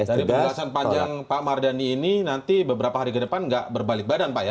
dari penjelasan panjang pak mardhani ini nanti beberapa hari ke depan nggak berbalik badan pak ya